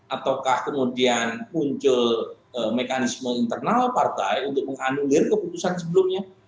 ataukah kemudian muncul mekanisme internal partai untuk menganulir keputusan sebelumnya